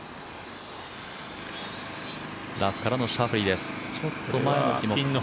ラフからのシャフリーです。